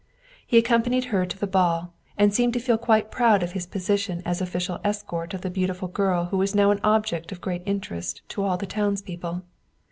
He accompanied her to the ball, and seemed to feel quite proud of his position as official escort of the beautiful girl who was now an object of great interest to all the townspeople.